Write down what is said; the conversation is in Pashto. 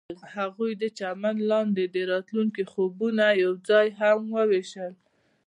هغوی د چمن لاندې د راتلونکي خوبونه یوځای هم وویشل.